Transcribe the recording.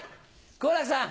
好楽さん